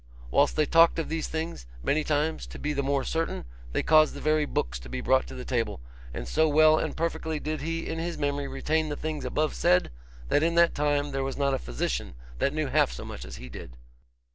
Whilst they talked of these things, many times, to be the more certain, they caused the very books to be brought to the table, and so well and perfectly did he in his memory retain the things above said, that in that time there was not a physician that knew half so much as he did.